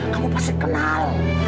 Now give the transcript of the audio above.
kamu pasti kenal